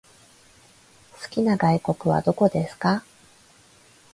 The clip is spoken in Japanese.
好きな外国はどこですか？